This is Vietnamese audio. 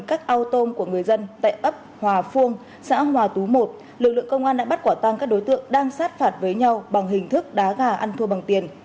các ao tôm của người dân tại ấp hòa phương xã hòa tú một lực lượng công an đã bắt quả tăng các đối tượng đang sát phạt với nhau bằng hình thức đá gà ăn thua bằng tiền